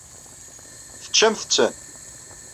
Teččamt-ten?